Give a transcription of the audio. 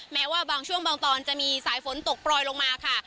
แม้ว่าบางช่วงบางตอนจะมีสายฝนตกปล่อยลงมาค่ะ